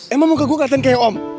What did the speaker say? emang muka gue keliatan kayak om